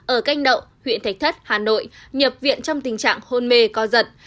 ở canh đậu huyện thạch thất hà nội nhập viện trong tình trạng hôn mê co giật